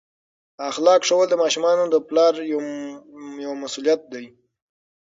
اخلاق ښوول د ماشومانو د پلار یوه مسؤلیت ده.